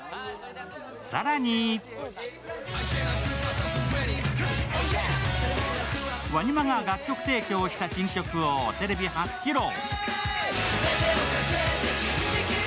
更にＷＡＮＩＭＡが楽曲提供した新曲をテレビ初披露。